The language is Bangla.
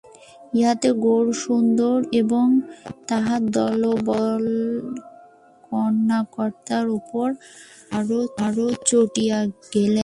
ইহাতে গৌরসুন্দর এবং তাঁহার দলবল কন্যাকর্তার উপর আরো চটিয়া গেলেন।